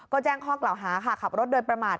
ก็แจ้งข้อกล่าวหาค่ะขับรถโดยประมาท